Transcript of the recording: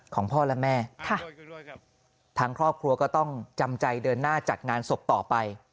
ของพ่อและแม่ทางครอบครัวก็ต้องจำใจเดินหน้าจัดงานศพต่อไป